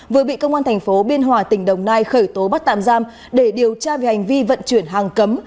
vừa bị công an thành phố biên hòa tỉnh đồng nai khởi tố bắt tạm giam để điều tra về hành vi vận chuyển hàng cấm